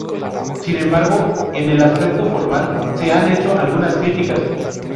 Sin embargo, en el aspecto formal se han hecho algunas críticas.